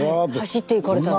走っていかれた。